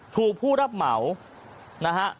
ถูกผู้รับเหมานะฮะ